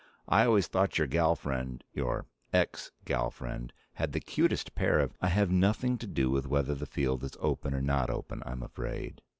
I always thought your gal friend your ex gal friend had the cutest pair of " "I have nothing to do with whether the field is open or not open, I'm afraid."